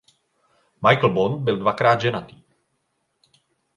Michael Bond byl dvakrát ženatý.